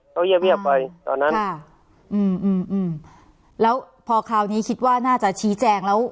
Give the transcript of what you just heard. เขาเงียบเงียบไปตอนนั้นอ่าอืมอืมแล้วพอคราวนี้คิดว่าน่าจะชี้แจงแล้ว